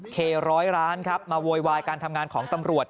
เคร้อยล้านครับมาโวยวายการทำงานของตำรวจ